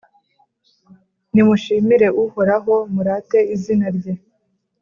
«Nimushimire Uhoraho, murate izina rye,